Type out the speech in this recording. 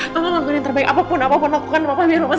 tolong lakukan yang terbaik apapun apapun lakukan bapak menghirup asap